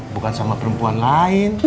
bukan sama perempuan lain